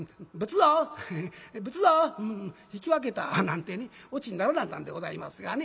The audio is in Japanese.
引き分けた」なんてね落ちにならなんだんでございますがね。